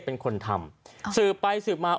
เป็นคนทำสืบไปสืบมา